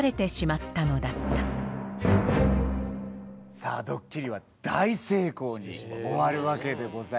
さあドッキリは大成功に終わるわけでございます。